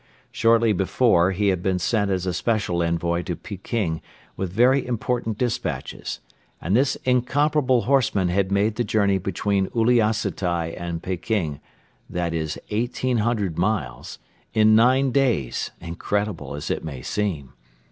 Shortly before he had been sent as a special envoy to Peking with very important despatches and this incomparable horseman had made the journey between Uliassutai and Peking, that is 1,800 miles, in nine days, incredible as it may seem.